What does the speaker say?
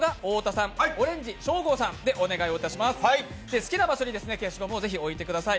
好きな場所に消しゴムを置いてください。